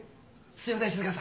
すいません静川さん。